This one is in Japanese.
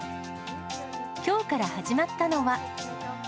きょうから始まったのは。